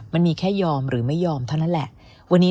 มันมีแค่ยอมหรือไม่ยอมเท่านั้นแหละวันนี้